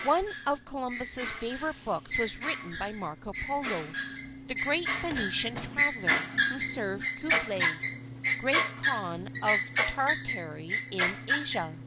One of Columbus's favourite books was written by Marco Polo, the great Venetian traveller, who served Kublai, Grand Khan of Tartary in Asia.